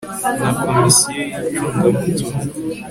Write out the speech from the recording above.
na komisiyo y'icungamutungo